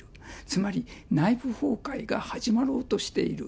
つまり、内部崩壊が始まろうとしている。